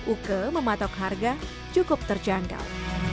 uke mematok harga cukup terjangkau